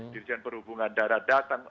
dirjen perhubungan darat datang